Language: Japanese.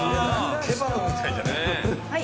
ケバブみたいじゃない？